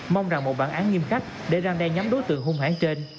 mong rằng một bản án nghiêm khách để răn đe nhóm đối tượng hung hãng trên